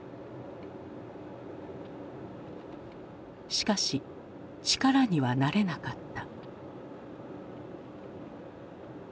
しかし力にはなれなかった。